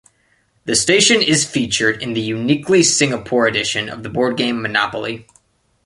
The station is featured in the "Uniquely Singapore Edition" of the board game "Monopoly".